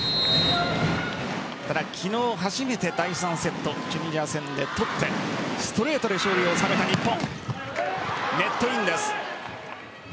ただ、昨日初めて第３セットチュニジア戦で取ってストレートで勝利を収めた日本。